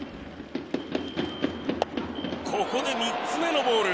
ここで３つ目のボール。